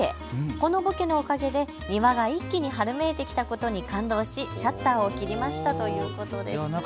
このボケのおかげで庭が一気に春めいてきたことに感動しシャッターを切りましたということです。